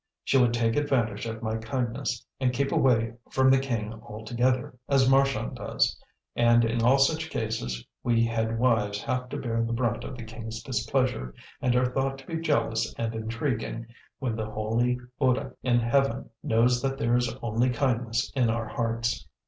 She would take advantage of my kindness, and keep away from the king altogether, as Marchand does; and in all such cases we head wives have to bear the brunt of the king's displeasure, and are thought to be jealous and intriguing, when the holy Buddh in heaven knows that there is only kindness in our hearts."